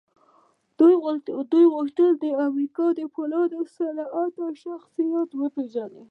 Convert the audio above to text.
دوی غوښتل د امريکا د پولادو صنعت شخصيت ور وپېژني.